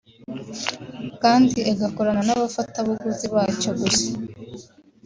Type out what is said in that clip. kandi agakorana n’abafatabuguzi bacyo gusa